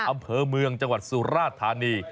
อำเภอเมืองจังหวัดสุราธานี